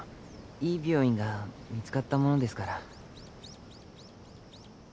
いい病院が見つかったものですから。